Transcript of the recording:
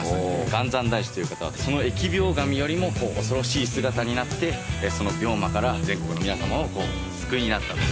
元三大師という方はその疫病神よりも恐ろしい姿になってその病魔から全国の皆さまを救いになったと。